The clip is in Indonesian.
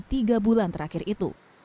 tiga bulan terakhir itu